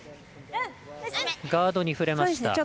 ガードに触れました。